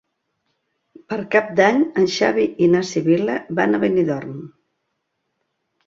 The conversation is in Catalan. Per Cap d'Any en Xavi i na Sibil·la van a Benidorm.